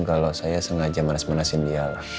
kalau saya sengaja manas manasin dia lah